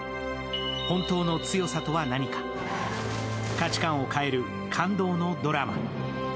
本当の強さとは何か、価値観を変える感動のドラマ。